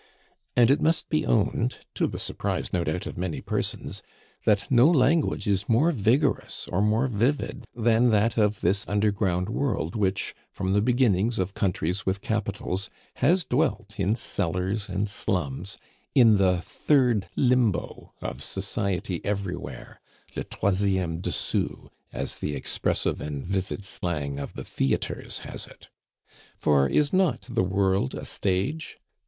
And it must be owned, to the surprise no doubt of many persons, that no language is more vigorous or more vivid than that of this underground world which, from the beginnings of countries with capitals, has dwelt in cellars and slums, in the third limbo of society everywhere (le troisieme dessous, as the expressive and vivid slang of the theatres has it). For is not the world a stage?